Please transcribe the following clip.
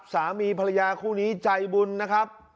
สามีภรรยาคู่นี้ใจบุญนะครับ